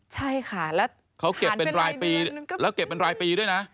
ใช่ค่ะแล้วเขาเก็บเป็นรายปีแล้วเก็บเป็นรายปีด้วยนะ